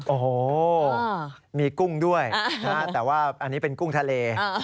โอ้โหมีกุ้งด้วยแต่ว่าอันนี้เป็นกุ้งทะเล